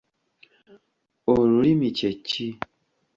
Olulimi kye ki?